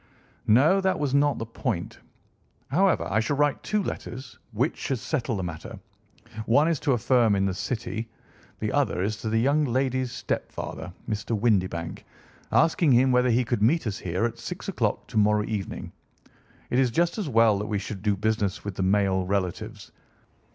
"No, that was not the point. However, I shall write two letters, which should settle the matter. One is to a firm in the City, the other is to the young lady's stepfather, Mr. Windibank, asking him whether he could meet us here at six o'clock to morrow evening. It is just as well that we should do business with the male relatives.